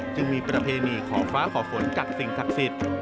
จึงมีประเพณีขอฟ้าขอฝนจากสิ่งศักดิ์สิทธิ์